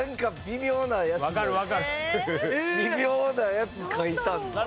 微妙なやつ書いたんです。